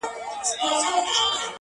قاضي و ویله غوږ نیسی دوستانو-